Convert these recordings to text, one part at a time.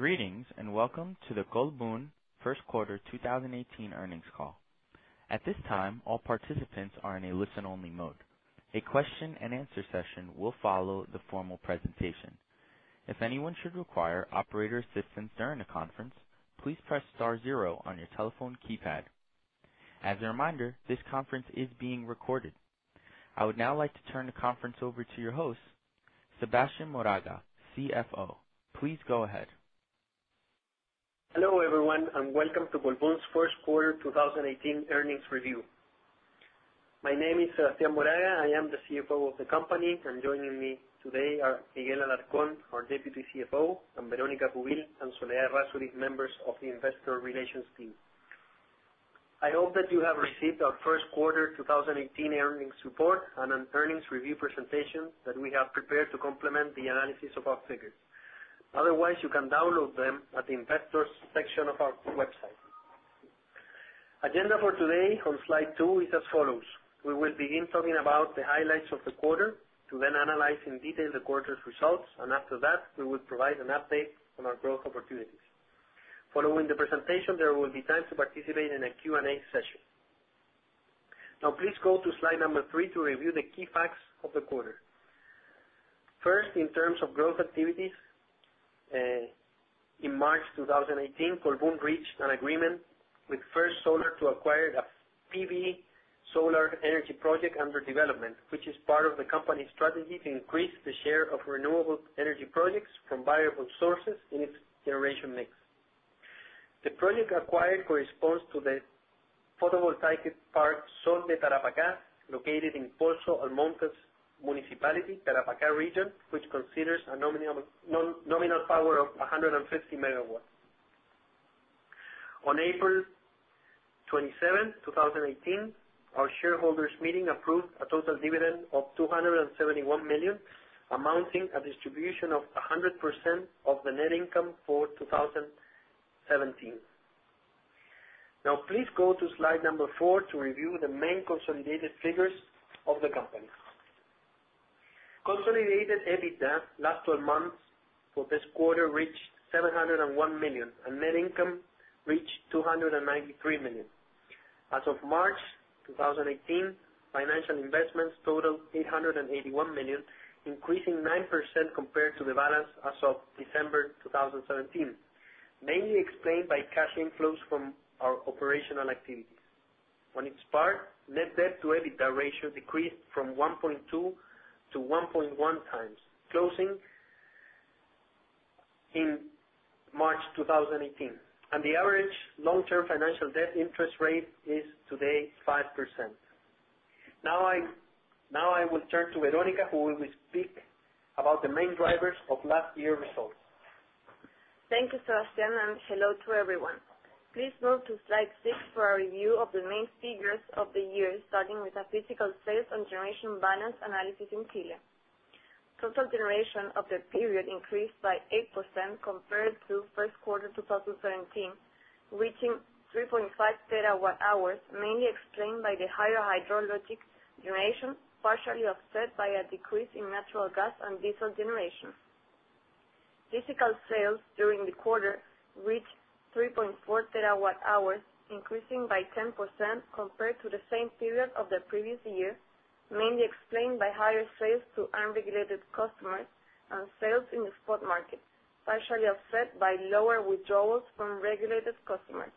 Greetings. Welcome to the Colbún first quarter 2018 earnings call. At this time, all participants are in a listen-only mode. A question and answer session will follow the formal presentation. If anyone should require operator assistance during the conference, please press star zero on your telephone keypad. As a reminder, this conference is being recorded. I would now like to turn the conference over to your host, Sebastián Moraga, CFO. Please go ahead. Hello, everyone. Welcome to Colbún's first quarter 2018 earnings review. My name is Sebastián Moraga. I am the CFO of the company, and joining me today are Miguel Alarcón, our Deputy CFO, and Verónica Cubillos and Soledad Razzoli, members of the investor relations team. I hope that you have received our first quarter 2018 earnings report and an earnings review presentation that we have prepared to complement the analysis of our figures. Otherwise, you can download them at the investors section of our website. Agenda for today on slide two is as follows. We will begin talking about the highlights of the quarter to then analyze in detail the quarter's results. After that, we will provide an update on our growth opportunities. Following the presentation, there will be time to participate in a Q&A session. Please go to slide number three to review the key facts of the quarter. First, in terms of growth activities, in March 2018, Colbún reached an agreement with First Solar to acquire a PV solar energy project under development, which is part of the company's strategy to increase the share of renewable energy projects from variable sources in its generation mix. The project acquired corresponds to the photovoltaic park Sol de Tarapacá, located in Pozo Almonte's municipality, Tarapacá region, which considers a nominal power of 150 MW. On April 27, 2018, our shareholders' meeting approved a total dividend of $271 million, amounting a distribution of 100% of the net income for 2017. Please go to slide number four to review the main consolidated figures of the company. Consolidated EBITDA last 12 months for this quarter reached $701 million. Net income reached $293 million. As of March 2018, financial investments totaled $881 million, increasing 9% compared to the balance as of December 2017, mainly explained by cash inflows from our operational activities. On its part, net debt-to-EBITDA ratio decreased from 1.2 to 1.1 times closing in March 2018. The average long-term financial debt interest rate is today 5%. I will turn to Verónica, who will speak about the main drivers of last year results. Thank you, Sebastián, and hello to everyone. Please go to slide six for a review of the main figures of the year, starting with a physical sales and generation balance analysis in Chile. Total generation of the period increased by 8% compared to first quarter 2017, reaching 3.5 terawatt-hours, mainly explained by the higher hydrologic generation, partially offset by a decrease in natural gas and diesel generation. Physical sales during the quarter reached 3.4 terawatt-hours, increasing by 10% compared to the same period of the previous year, mainly explained by higher sales to unregulated customers and sales in the spot market, partially offset by lower withdrawals from regulated customers.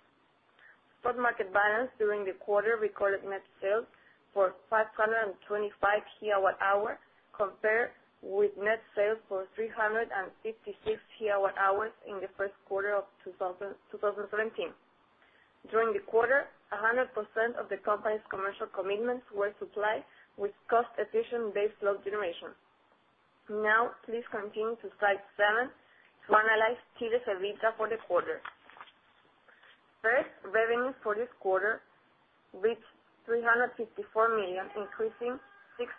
Spot market balance during the quarter recorded net sales for 525 GWh, compared with net sales for 356 GWh in the first quarter of 2017. During the quarter, 100% of the company's commercial commitments were supplied with cost-efficient base load generation. Now, please continue to slide seven to analyze Chile's EBITDA for the quarter. First, revenues for this quarter reached $354 million, increasing 6%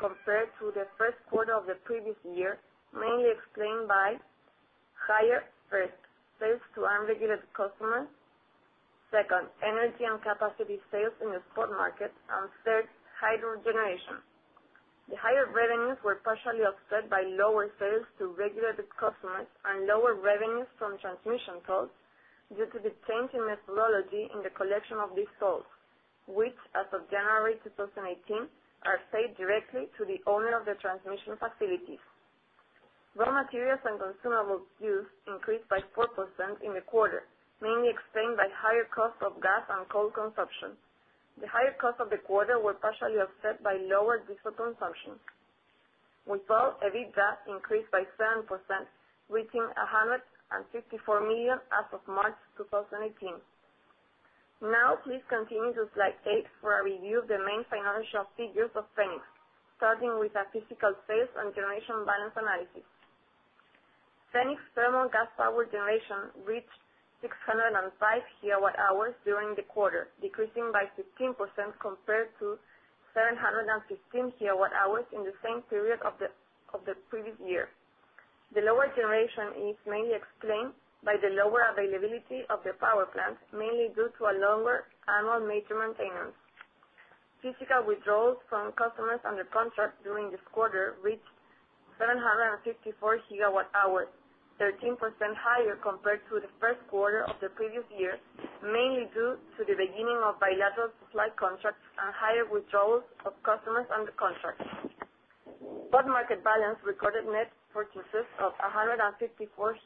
compared to the first quarter of the previous year, mainly explained by higher, first, sales to unregulated customers. Second, energy and capacity sales in the spot market. Third, hydro generation. The higher revenues were partially offset by lower sales to regulated customers and lower revenues from transmission tolls due to the change in methodology in the collection of these tolls, which, as of January 2018, are paid directly to the owner of the transmission facilities. Raw materials and consumables used increased by 4% in the quarter, mainly explained by higher cost of gas and coal consumption. The higher cost of the quarter was partially offset by lower diesel consumption. We saw EBITDA increase by 7%, reaching $154 million as of March 2018. Now, please continue to slide eight for a review of the main financial figures of Fénix, starting with a physical sales and generation balance analysis. Fénix thermal gas power generation reached 605 GWh during the quarter, decreasing by 15% compared to 715 GWh in the same period of the previous year. The lower generation is mainly explained by the lower availability of the power plant, mainly due to a longer annual major maintenance. Physical withdrawals from customers under contract during this quarter reached 754 gigawatt hours, 13% higher compared to the first quarter of the previous year, mainly due to the beginning of bilateral supply contracts and higher withdrawals of customers under contract. Spot market balance recorded net purchases of 154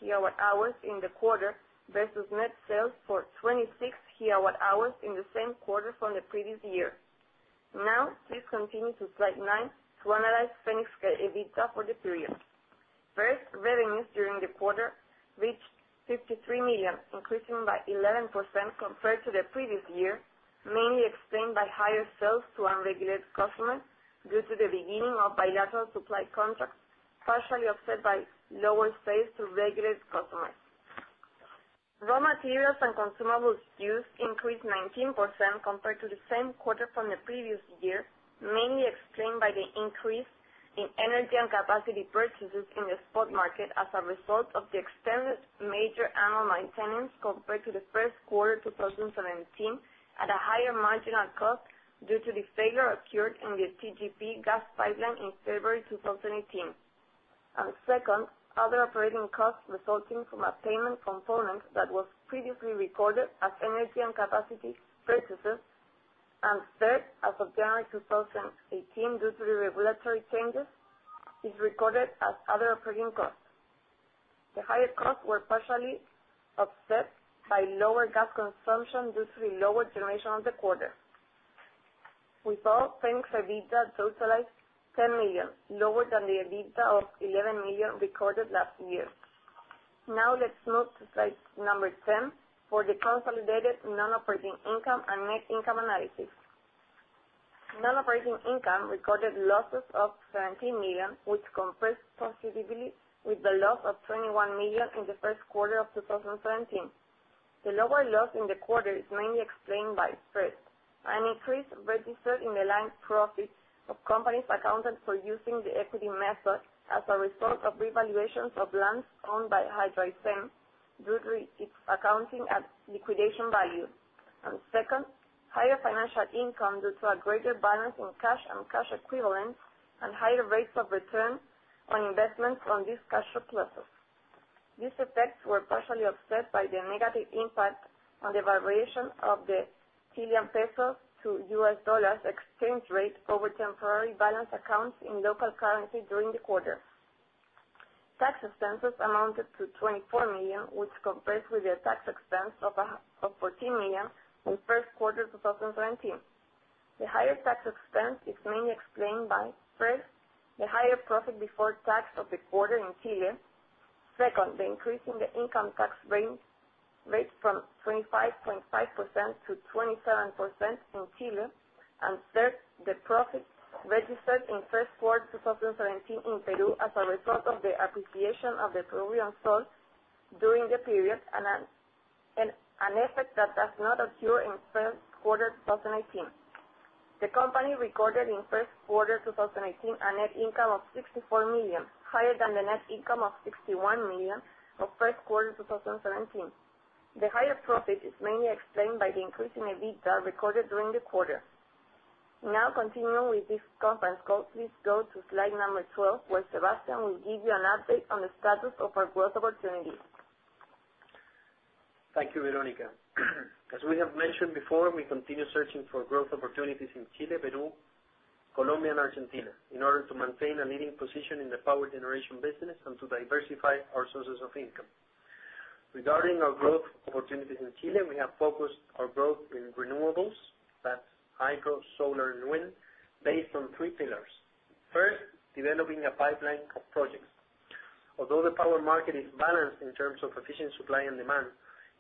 gigawatt hours in the quarter versus net sales for 26 gigawatt hours in the same quarter from the previous year. Now, please continue to slide nine to analyze Fénix EBITDA for the period. First, revenues during the quarter reached $53 million, increasing by 11% compared to the previous year, mainly explained by higher sales to unregulated customers due to the beginning of bilateral supply contracts, partially offset by lower sales to regulated customers. Raw materials and consumables used increased 19% compared to the same quarter from the previous year, mainly explained by the increase in energy and capacity purchases in the spot market as a result of the extended major annual maintenance compared to the first quarter 2017, at a higher marginal cost due to the failure occurred in the TGP gas pipeline in February 2018. Second, other operating costs resulting from a payment component that was previously recorded as energy and capacity purchases. Third, as of January 2018, due to the regulatory changes, is recorded as other operating costs. The higher costs were partially offset by lower gas consumption due to the lower generation of the quarter. With all, Fenix EBITDA totalized $10 million, lower than the EBITDA of $11 million recorded last year. Now, let's move to slide number 10 for the consolidated non-operating income and net income analysis. Non-operating income recorded losses of $17 million, which compares positively with the loss of $21 million in the first quarter 2017. The lower loss in the quarter is mainly explained by, first, an increase registered in the land profits of companies accounted for using the equity method, as a result of revaluations of lands owned by HidroAysén due to its accounting at liquidation value. Second, higher financial income due to a greater balance in cash and cash equivalents, and higher rates of return on investments on these cash flows. These effects were partially offset by the negative impact on the valuation of the Chilean pesos to US dollars exchange rate over temporary balance accounts in local currency during the quarter. Tax expenses amounted to $24 million, which compares with the tax expense of $14 million in first quarter 2017. The higher tax expense is mainly explained by, first, the higher profit before tax of the quarter in Chile. Second, the increase in the income tax rate from 25.5% to 27% in Chile. Third, the profit registered in first quarter 2017 in Peru as a result of the appreciation of the Peruvian sol during the period, an effect that does not occur in first quarter 2018. The company recorded in first quarter 2018 a net income of $64 million, higher than the net income of $61 million of first quarter 2017. The higher profit is mainly explained by the increase in EBITDA recorded during the quarter. Continuing with this conference call, please go to slide number 12, where Sebastián will give you an update on the status of our growth opportunities. Thank you, Verónica. As we have mentioned before, we continue searching for growth opportunities in Chile, Peru, Colombia, and Argentina in order to maintain a leading position in the power generation business and to diversify our sources of income. Regarding our growth opportunities in Chile, we have focused our growth in renewables. That's hydro, solar, and wind, based on three pillars. First, developing a pipeline of projects. Although the power market is balanced in terms of efficient supply and demand,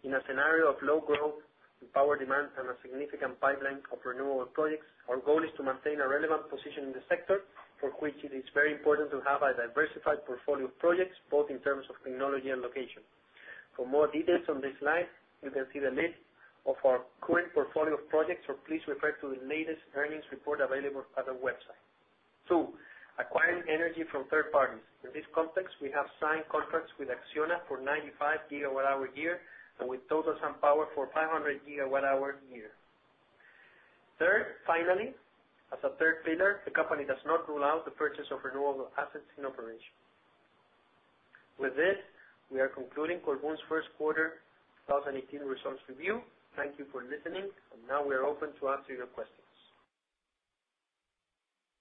in a scenario of low growth in power demand and a significant pipeline of renewable projects, our goal is to maintain a relevant position in the sector, for which it is very important to have a diversified portfolio of projects, both in terms of technology and location. For more details on this slide, you can see the list of our current portfolio of projects, or please refer to the latest earnings report available at our website. 2, acquiring energy from third parties. In this context, we have signed contracts with Acciona for 95 GWh a year, and with Total SunPower for 500 GWh a year. Third, finally, as a third pillar, the company does not rule out the purchase of renewable assets in operation. With this, we are concluding Colbún's first quarter 2018 results review. Thank you for listening. Now we are open to answer your questions.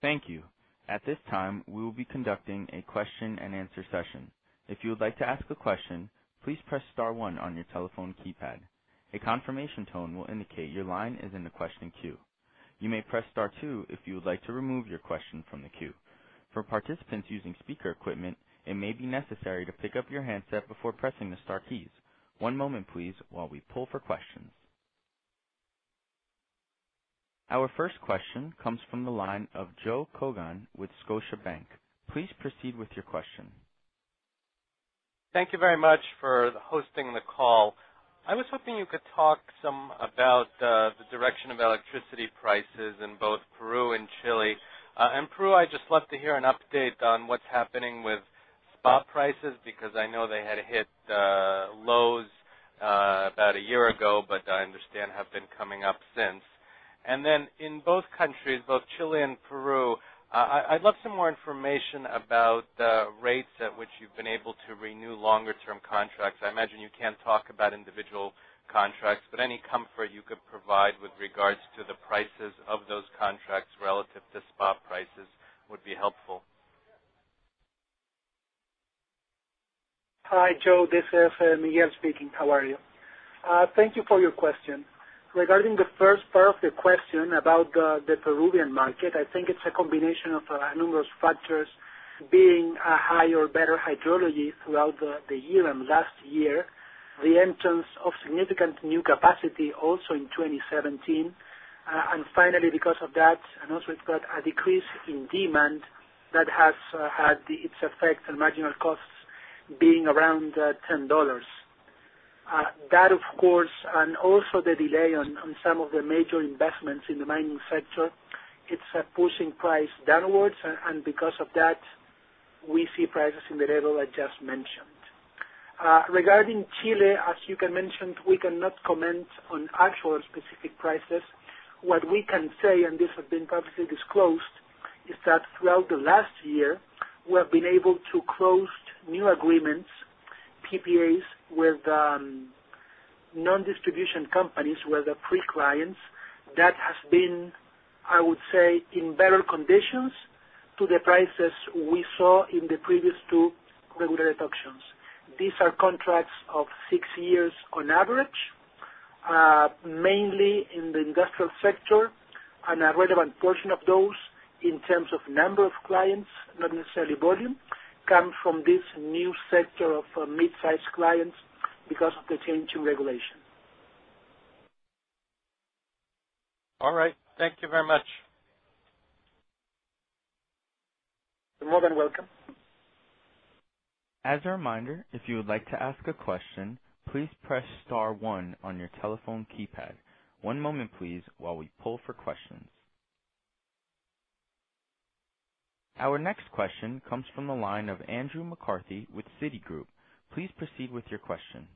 Thank you. At this time, we will be conducting a question and answer session. If you would like to ask a question, please press star 1 on your telephone keypad. A confirmation tone will indicate your line is in the question queue. You may press star 2 if you would like to remove your question from the queue. For participants using speaker equipment, it may be necessary to pick up your handset before pressing the star keys. One moment, please, while we pull for questions. Our first question comes from the line of Joe Kogan with Scotiabank. Please proceed with your question. Thank you very much for hosting the call. I was hoping you could talk some about the direction of electricity prices in both Peru and Chile. In Peru, I'd just love to hear an update on what's happening with spot prices, because I know they had hit lows About a year ago, I understand have been coming up since. Then in both countries, both Chile and Peru, I'd love some more information about the rates at which you've been able to renew longer term contracts. I imagine you can't talk about individual contracts, but any comfort you could provide with regards to the prices of those contracts relative to spot prices would be helpful. Hi, Joe. This is Miguel speaking. How are you? Thank you for your question. Regarding the first part of your question about the Peruvian market, I think it's a combination of numerous factors being a higher, better hydrology throughout the year and last year, the entrance of significant new capacity also in 2017. Finally, because of that, and also we've got a decrease in demand that has had its effect on marginal costs being around $10. That, of course, and also the delay on some of the major investments in the mining sector, it's pushing price downwards, and because of that, we see prices in the level I just mentioned. Regarding Chile, as you can mention, we cannot comment on actual specific prices. What we can say, and this has been publicly disclosed, is that throughout the last year, we have been able to close new agreements, PPAs, with non-distribution companies who are the free clients. That has been, I would say, in better conditions to the prices we saw in the previous two regulated auctions. These are contracts of six years on average, mainly in the industrial sector, and a relevant portion of those, in terms of number of clients, not necessarily volume, come from this new sector of mid-size clients because of the change in regulation. All right. Thank you very much. You're more than welcome. As a reminder, if you would like to ask a question, please press star one on your telephone keypad. One moment, please, while we pull for questions. Our next question comes from the line of Andrew McCarthy with Citigroup. Please proceed with your question.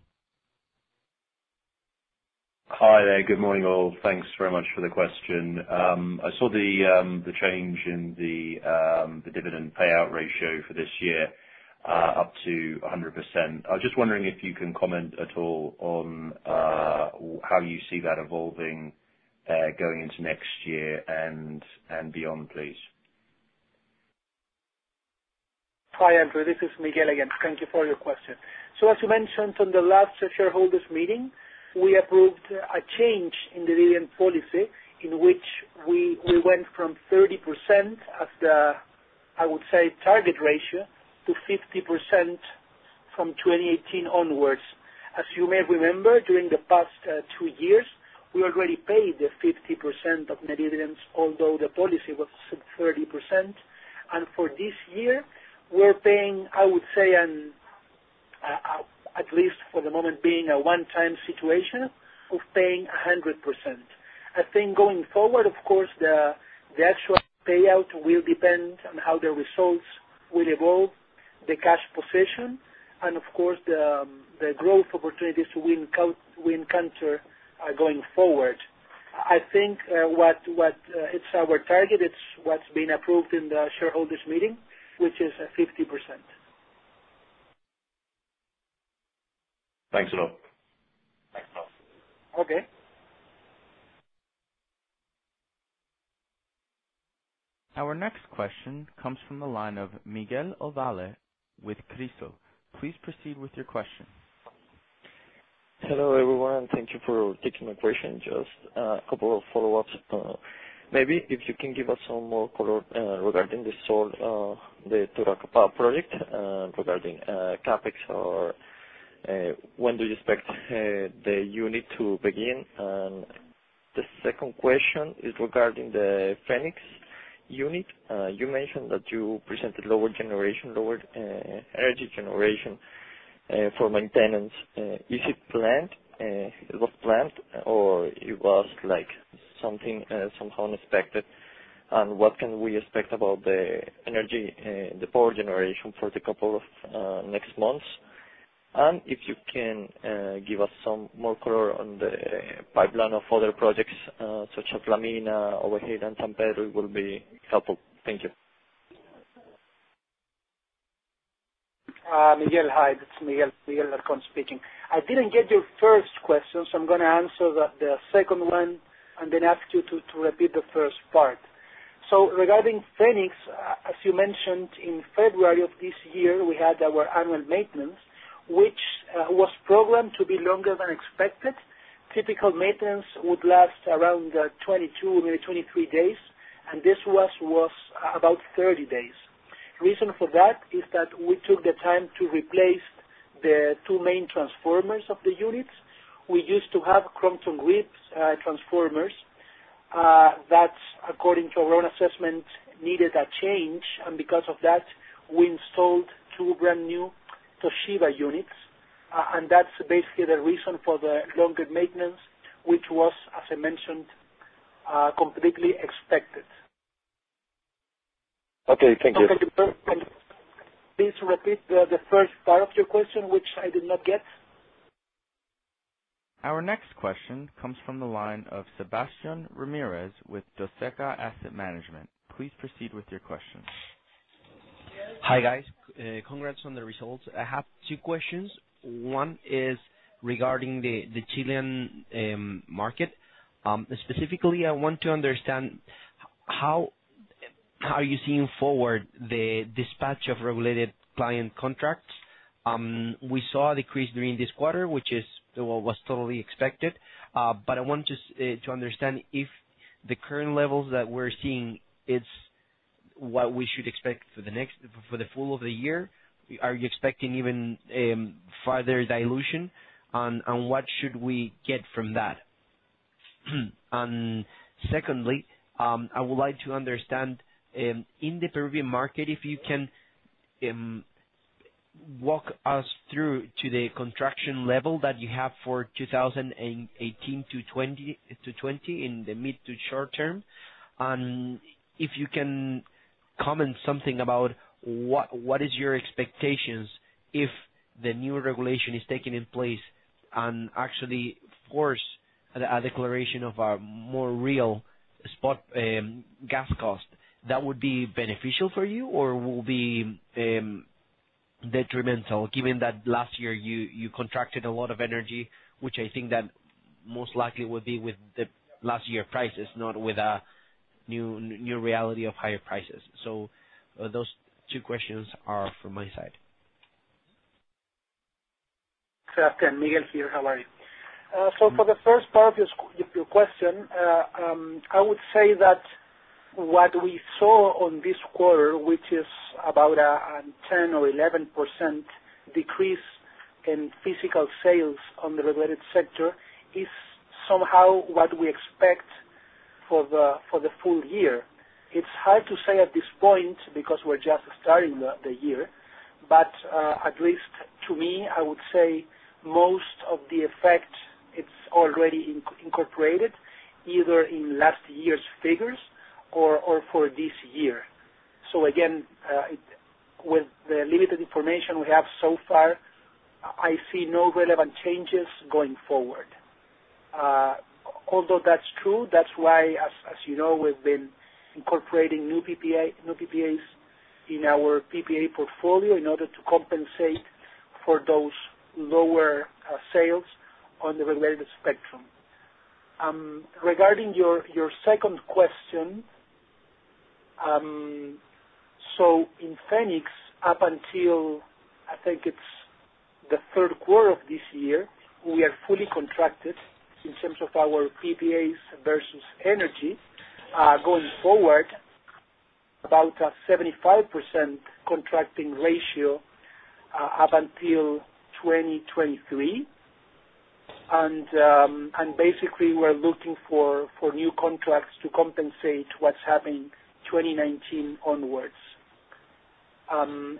Hi there. Good morning, all. Thanks very much for the question. I saw the change in the dividend payout ratio for this year up to 100%. I was just wondering if you can comment at all on how you see that evolving going into next year and beyond, please. Hi, Andrew. This is Miguel again. Thank you for your question. As we mentioned on the last shareholders meeting, we approved a change in dividend policy in which we went from 30% as the, I would say, target ratio to 50% from 2018 onwards. As you may remember, during the past two years, we already paid the 50% of net dividends, although the policy was 30%. For this year, we're paying, I would say, at least for the moment being a one-time situation of paying 100%. I think going forward, of course, the actual payout will depend on how the results will evolve, the cash position, and of course, the growth opportunities we encounter going forward. I think what is our target, it's what's been approved in the shareholders meeting, which is 50%. Thanks a lot. Okay. Our next question comes from the line of Miguel Ovalle with Crisol. Please proceed with your question. Hello, everyone. Thank you for taking my question. Just a couple of follow-ups. Maybe if you can give us some more color regarding the Sol de Tarapacá project regarding CapEx or when do you expect the unit to begin? The second question is regarding the Fénix unit. You mentioned that you presented lower energy generation for maintenance. Is it planned? It was planned or it was something somehow unexpected? What can we expect about the energy, the power generation for the couple of next months? If you can give us some more color on the pipeline of other projects such as La Mina, Ojo de Pato, and San Pedro will be helpful. Thank you. Miguel, hi. It's Miguel Alarcón speaking. I didn't get your first question, I'm going to answer the second one then ask you to repeat the first part. Regarding Fénix, as you mentioned, in February of this year, we had our annual maintenance, which was programmed to be longer than expected. Typical maintenance would last around 22, maybe 23 days, and this was about 30 days. Reason for that is that we took the time to replace the two main transformers of the units. We used to have Crompton Greaves transformers. That, according to our own assessment, needed a change, because of that, we installed two brand new Toshiba units. That's basically the reason for the longer maintenance, which was, as I mentioned, completely expected. Okay, thank you. Please repeat the first part of your question, which I did not get. Our next question comes from the line of Sebastian Ramirez with Doseka Asset Management. Please proceed with your question. Hi, guys. Congrats on the results. I have two questions. One is regarding the Chilean market. Specifically, I want to understand how are you seeing forward the dispatch of regulated client contracts? We saw a decrease during this quarter, which was totally expected. I want to understand if the current levels that we're seeing, it's what we should expect for the full of the year. Are you expecting even further dilution? What should we get from that? Secondly, I would like to understand, in the Peruvian market, if you can walk us through to the contraction level that you have for 2018 to 2020 in the mid to short term, and if you can comment something about what is your expectations if the new regulation is taken in place and actually force a declaration of a more real spot gas cost. That would be beneficial for you or will be detrimental given that last year you contracted a lot of energy, which I think that most likely would be with the last year prices, not with a new reality of higher prices. Those two questions are from my side. Sebastian, Miguel here. How are you? For the first part of your question, I would say that what we saw on this quarter, which is about a 10 or 11% decrease in physical sales on the regulated sector, is somehow what we expect for the full year. It's hard to say at this point because we're just starting the year. At least to me, I would say most of the effect, it's already incorporated either in last year's figures or for this year. Again, with the limited information we have so far, I see no relevant changes going forward. Although that's true, that's why, as you know, we've been incorporating new PPAs in our PPA portfolio in order to compensate for those lower sales on the regulated spectrum. Regarding your second question. In Fénix, up until, I think it's the third quarter of this year, we are fully contracted in terms of our PPAs versus energy. Going forward, about a 75% contracting ratio up until 2023. Basically, we're looking for new contracts to compensate what's happening 2019 onwards.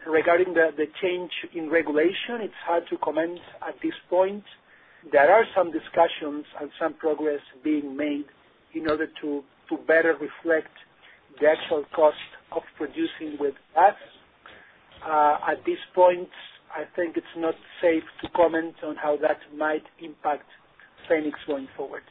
Regarding the change in regulation, it's hard to comment at this point. There are some discussions and some progress being made in order to better reflect the actual cost of producing with gas. At this point, I think it's not safe to comment on how that might impact Fénix going forward.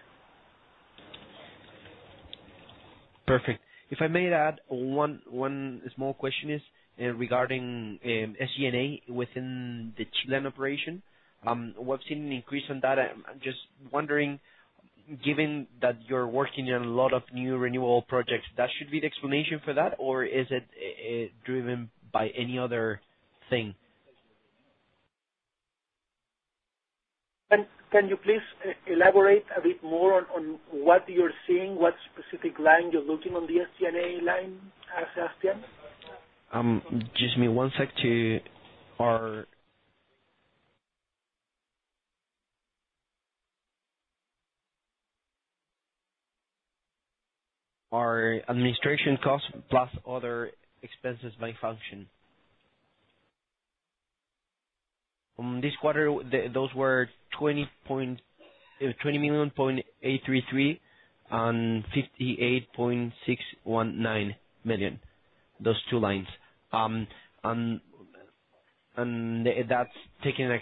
Perfect. If I may add one small question regarding SG&A within the Chilean operation. We've seen an increase on that. I'm just wondering, given that you're working on a lot of new renewable projects, that should be the explanation for that, or is it driven by any other thing? Can you please elaborate a bit more on what you're seeing, what specific line you're looking on the SG&A line, Sebastian? Just give me one sec to Our administration costs, plus other expenses by function. This quarter, those were $20.833 million and $58.619 million. Those two lines. That's taking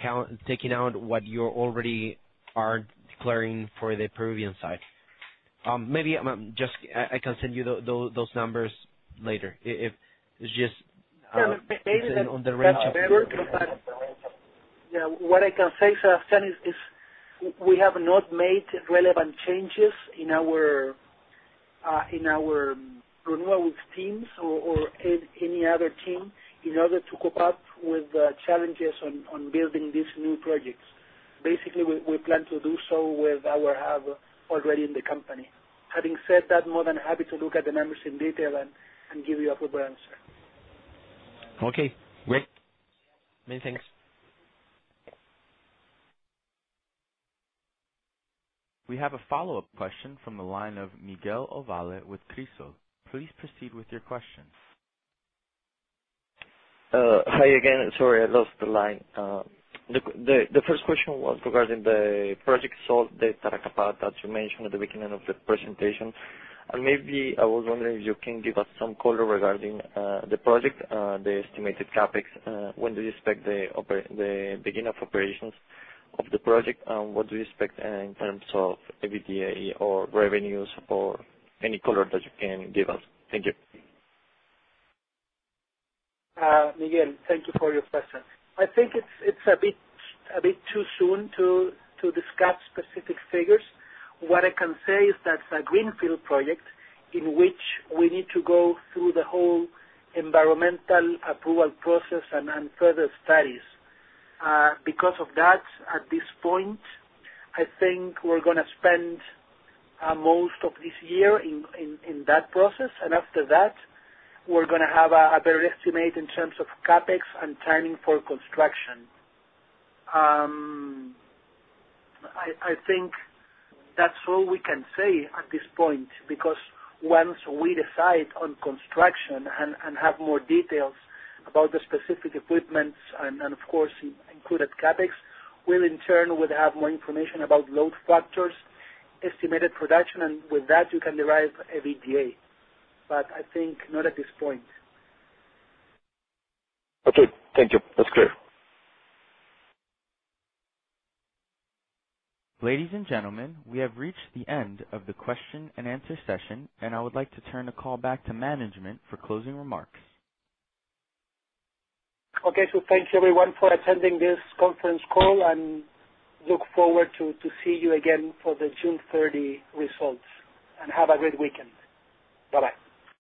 out what you already are declaring for the Peruvian side. Maybe I can send you those numbers later. Yeah. On the range of- What I can say, Sebastian, is we have not made relevant changes in our renewables teams or any other team in order to cope up with the challenges on building these new projects. We plan to do so with what we have already in the company. Having said that, more than happy to look at the numbers in detail and give you a proper answer. Okay, great. Many thanks. We have a follow-up question from the line of Miguel Ovalle with Crisol. Please proceed with your question. Hi again. Sorry, I lost the line. The first question was regarding the project Sol de Tarapacá that you mentioned at the beginning of the presentation. Maybe I was wondering if you can give us some color regarding the project, the estimated CapEx. When do you expect the beginning of operations of the project? What do you expect in terms of EBITDA, or revenues, or any color that you can give us? Thank you. Miguel, thank you for your question. I think it's a bit too soon to discuss specific figures. What I can say is that it's a greenfield project in which we need to go through the whole environmental approval process and further studies. Because of that, at this point, I think we're going to spend most of this year in that process. After that, we're going to have a better estimate in terms of CapEx and timing for construction. I think that's all we can say at this point, because once we decide on construction and have more details about the specific equipments and of course, included CapEx, we'll in turn would have more information about load factors, estimated production, and with that you can derive EBITDA. I think not at this point. Okay. Thank you. That's clear. Ladies and gentlemen, we have reached the end of the question and answer session, and I would like to turn the call back to management for closing remarks. Okay, thanks everyone for attending this conference call, and look forward to see you again for the June 30 results. Have a great weekend. Bye-bye.